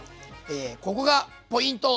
ここがポイント！